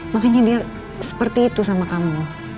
makanya dia seperti itu sama kamu